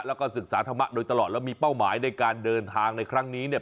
แล้วก็ศึกษาธรรมะโดยตลอดแล้วมีเป้าหมายในการเดินทางในครั้งนี้เนี่ย